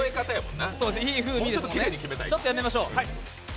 ちょっとやめましょう。